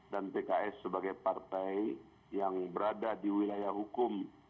dan pks sebagai partai yang berada di wilayah uu